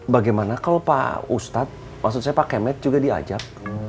bagaimana kalau pak ustadz maksud saya pak kemet juga diajak